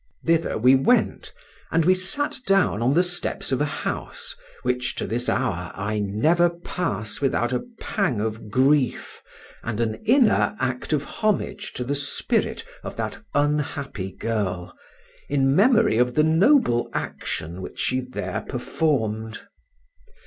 Thither we went, and we sat down on the steps of a house, which to this hour I never pass without a pang of grief and an inner act of homage to the spirit of that unhappy girl, in memory of the noble action which she there performed.